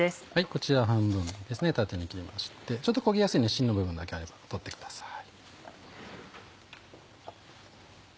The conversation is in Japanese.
こちらを半分にですね縦に切りまして焦げやすいのでしんの部分だけあれば取ってください。